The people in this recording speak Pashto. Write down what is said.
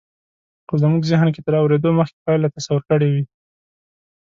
خو مونږ زهن کې تر اورېدو مخکې پایله تصور کړې وي